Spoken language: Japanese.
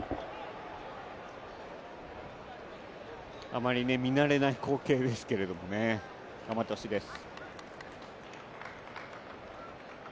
あまり見慣れない光景ですけれども、頑張ってほしいです。